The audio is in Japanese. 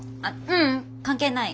ううん関係ない。